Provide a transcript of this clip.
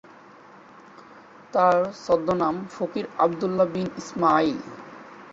তার ছদ্মনাম ফকির আবদুল্লাহ বিন ইসমাইল।